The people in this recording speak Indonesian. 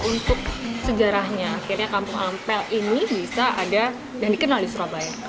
untuk sejarahnya akhirnya kampung ampel ini bisa ada dan dikenal di surabaya